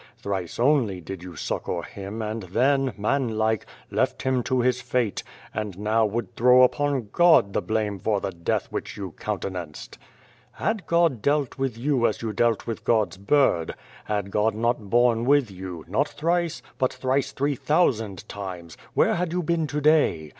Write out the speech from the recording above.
Thrice only did you succour him and then, manlike, left him to his fate, and now would throw upon God the blame for the death which you countenanced. "Had God dealt with you as you dealt with God's bird ; had God not borne with 109 The Face you, not thrice, but thrice three thousand times, where had you been to day?